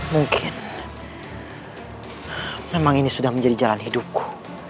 mungkin memang ini sudah menjadi jalan hidupku